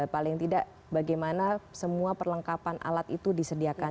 paling tidak bagaimana semua perlengkapan alat itu disediakan